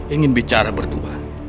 ingin bicara berdua